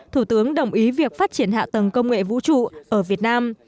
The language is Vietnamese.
thủ tướng đồng ý việc phát triển hạ tầng công nghệ vũ trụ ở việt nam